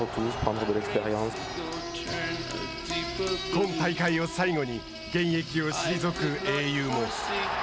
今大会を最後に現役を退く英雄も。